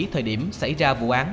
thời điểm xảy ra vụ án